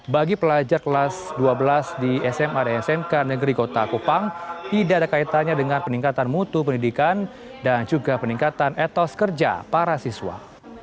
bagi pelajar kelas dua belas di sma dan smk negeri kota kupang tidak ada kaitannya dengan peningkatan mutu pendidikan dan juga peningkatan etos kerja para siswa